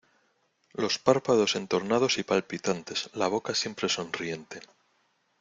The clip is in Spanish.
los párpados entornados y palpitantes, la boca siempre sonriente